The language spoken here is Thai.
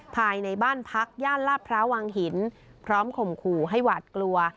ภายในบ้านพักย่านลาดพร้าววังหินพร้อมข่มขู่ให้หวาดกลัว